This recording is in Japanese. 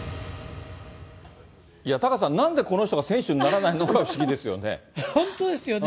いや、タカさん、なんでこの人が選手にならないのか、不思議ですよね。